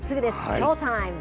ショータイム。